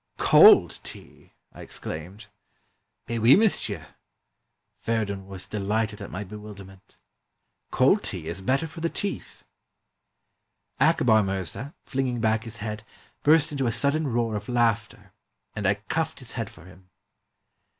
''Cold tea!" I exclaimed. "Mais oui, monsieur!" Feridun was delighted at my bewilderment. " Cold tea is better for the teeth!" Akbar Mirza, flinging back his head, burst into a sudden roar of laughter, and I cuffed his head for him.